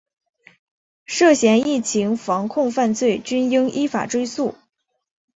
涉嫌疫情防控犯罪均应依法追诉